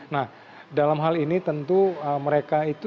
nah dalam hal ini tentu mereka itu